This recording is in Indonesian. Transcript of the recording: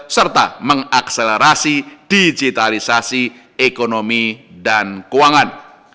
serta mengakselerasi digitalisasi ekonomi dan keuangan